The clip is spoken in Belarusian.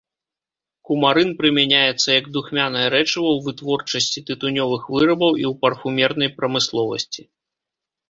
Кумарын прымяняецца як духмянае рэчыва ў вытворчасці тытунёвых вырабаў і ў парфумернай прамысловасці.